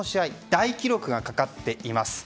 大記録がかかっています。